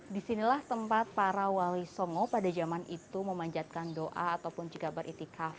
disinilah tempat para wali songo pada zaman itu memanjatkan doa atau beritikaf